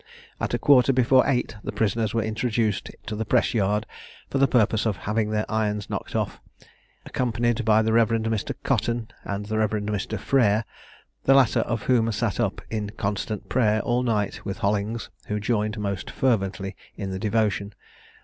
At a quarter before eight the prisoners were introduced to the Press yard, for the purpose of having their irons knocked off, accompanied by the Reverend Mr. Cotton and the Reverend Mr. Frere, the latter of whom sat up in constant prayer all the night with Hollings, who joined most fervently in the devotion.